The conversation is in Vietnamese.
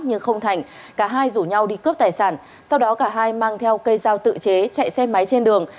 nhưng không thành cả hai rủ nhau đi cướp tài sản sau đó cả hai mang theo cây dao tự chế chạy xe máy trên đường